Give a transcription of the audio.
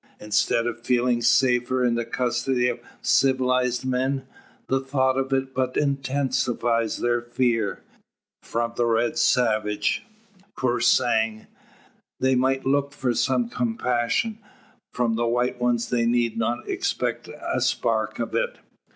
Instead of feeling safer in the custody of civilised men, the thought of it but intensifies their fears. From the red savage, pur sang, they might look for some compassion; from the white one they need not expect a spark of it.